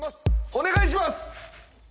お願いします